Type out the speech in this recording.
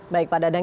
baik pak dadang